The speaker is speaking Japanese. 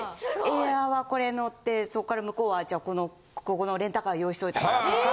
エアーはこれ乗ってそっから向こうはじゃあここのレンタカー用意しといたからとか。